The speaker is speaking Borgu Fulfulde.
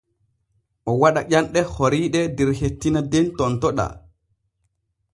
O waɗa ƴanɗe horiiɗe der hettina den tontoɗaa.